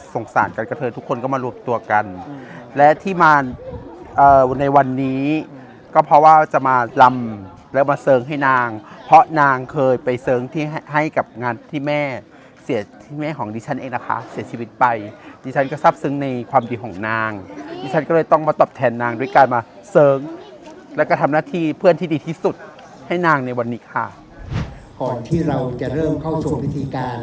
สารกันกับเธอทุกคนก็มารวมตัวกันและที่มาในวันนี้ก็เพราะว่าจะมาลำแล้วมาเสิร์งให้นางเพราะนางเคยไปเสิร์งที่ให้กับงานที่แม่เสียที่แม่ของดิฉันเองนะคะเสียชีวิตไปดิฉันก็ทราบซึ้งในความดีของนางดิฉันก็เลยต้องมาตอบแทนนางด้วยการมาเสิร์งแล้วก็ทำหน้าที่เพื่อนที่ดีที่สุดให้นางในวันนี้ค่ะก่อนที่เราจะเริ่มเข้าสู่พิธีการ